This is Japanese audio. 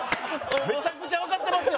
めちゃくちゃわかってますよ！